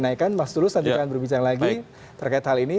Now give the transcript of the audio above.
sebuah kenaikan mas tulus nanti akan berbicara lagi terkait hal ini